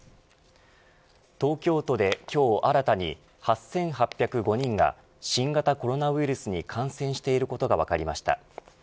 東京都で今日新たに８８０５人が新型コロナウイルスに感染していることが分かりました。